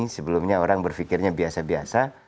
sebelumnya orang berpikirnya biasa biasa